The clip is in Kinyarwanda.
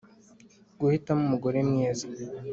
Guhitamo umugore mwiza